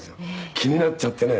気になっちゃってね」